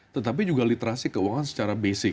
tetapi juga literasi keuangan secara basic